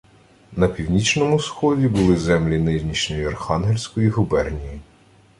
«На північному сході були землі нинішньої Архангельської губернії